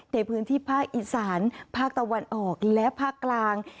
ในพื้นที่ภาคอีสานภาคตะวันออกและภาคกลาง